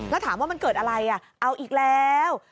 แล้วถามว่ามันเกิดอะไรเอาอีกแล้ว